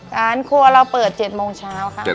ร้านครัวเราเปิด๗โมงเช้าค่ะ